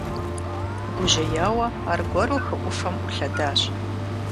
Гужьеяуэ, аргуэру хы Ӏуфэм Ӏулъэдащ.